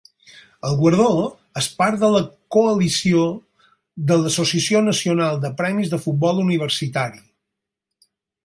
El guardó és part de la coalició de l'Associació Nacional de Premis de Futbol Universitari.